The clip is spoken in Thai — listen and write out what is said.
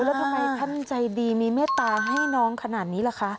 แล้วทำไมท่านใจดีมีเมตตาให้น้องขนาดนี้ล่ะคะ